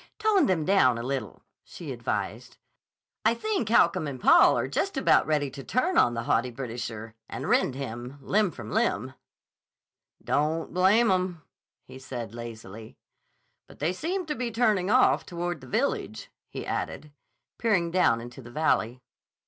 "Tone them down a little," she advised. "I think Holcomb and Paul are just about ready to turn on the haughty Britisher, and rend him limb from limb." "Don't blame 'em," he said lazily. "But they seem to be turning off toward the village," he added, peering down into the valley.